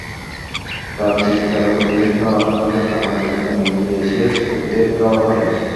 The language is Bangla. তাঁর চিৎকারে প্রতিবেশীসহ আশপাশের গ্রামের লোকজন এগিয়ে এসে চোরদের ধাওয়া করেন।